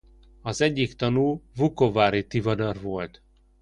Az egyik tanú Vukovári Tivadar volt.